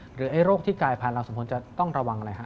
หรือไอ้โรคที่กายภายเราสมมติจะต้องระวังอะไรครับ